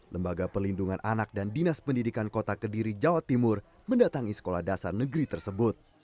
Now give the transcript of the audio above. lembaga pelindungan anak dan dinas pendidikan kota kediri jawa timur mendatangi sekolah dasar negeri tersebut